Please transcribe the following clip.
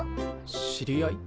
知り合い？